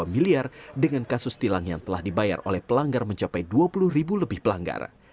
dua miliar dengan kasus tilang yang telah dibayar oleh pelanggar mencapai dua puluh ribu lebih pelanggar